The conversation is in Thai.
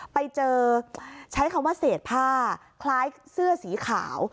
ไปเจอใช้คำว่าเศษผ้าคล้ายเสื้อสีขาว